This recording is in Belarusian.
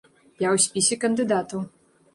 Я ў спісе кандыдатаў.